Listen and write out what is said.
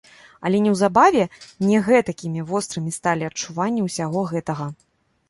Але неўзабаве не гэтакімі вострымі сталі адчуванні усяго гэтага.